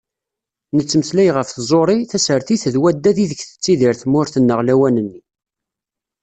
Nettmeslay ɣef tẓuri, tasertit d waddad ideg tettidir tmurt-nneɣ lawan-nni.